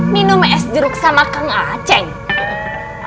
minum es jeruk sama kang aceh